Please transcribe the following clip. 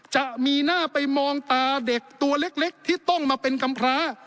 จะมีหน้าไปมองตาเด็กตัวเล็กที่ต้องมาเป็นกำพร้า